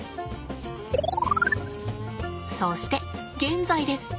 そして現在です。